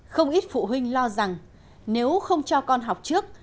không ít phụ huynh lo rằng nếu không cho con học trước